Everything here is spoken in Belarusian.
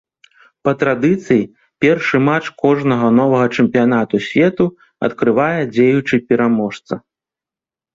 Па традыцыі, першы матч кожнага новага чэмпіянату свету адкрывае дзеючы пераможца.